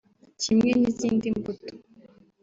kimwe n’izindi mbuto